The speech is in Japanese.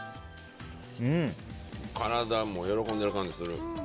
体も喜んでる感じする。